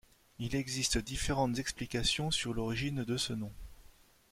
Il existe différentes explications sur l'origine de ce nom.